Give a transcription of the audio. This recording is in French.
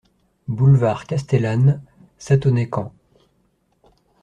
Boulevard Castellane, Sathonay-Camp